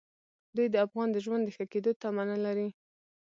دوی د افغان د ژوند د ښه کېدو تمه نه لري.